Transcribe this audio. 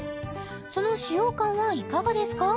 その使用感はいかがですか？